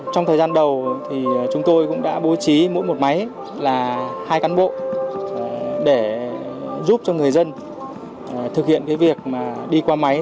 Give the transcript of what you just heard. trong thời gian đầu chúng tôi cũng đã bố trí mỗi một máy là hai cán bộ để giúp cho người dân thực hiện việc đi qua máy